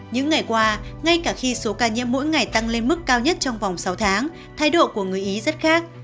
những ngày qua ngay cả khi số ca nhiễm mỗi ngày tăng lên mức cao nhất trong vòng sáu tháng thái độ của người ý rất khác